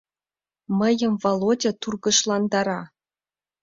— Мыйым Володя тургыжландара.